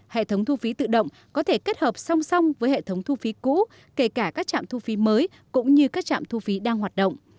hệ thống thu phí tự động có thể kết hợp song song với hệ thống thu phí cũ kể cả các trạm thu phí mới cũng như các trạm thu phí đang hoạt động